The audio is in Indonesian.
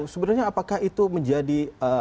sebenarnya apakah itu menjadi